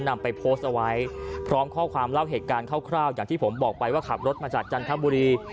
นำไปโพสต์เอาไว้พร้อมข้อความเล่าเหตุการณ์คร่าวอย่างที่ผมบอกไปว่าขับรถมาจากจันทบุรี